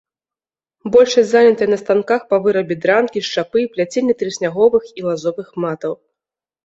Большасць занятая на станках па вырабе дранкі, шчапы і пляценні трысняговых і лазовых матаў.